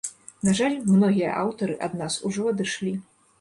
На жаль, многія аўтары ад нас ужо адышлі.